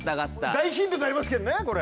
大ヒントになりますけどねこれ。